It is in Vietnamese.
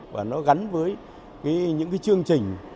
và nó gắn với những chương trình